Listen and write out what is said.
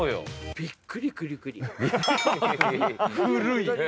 「びっくりくりくり」。